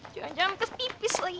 jangan jangan kesipis lagi